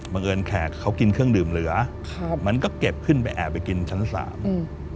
บังเอิญแขกเขากินเครื่องดื่มเหลือครับมันก็เก็บขึ้นไปแอบไปกินชั้นสามอืม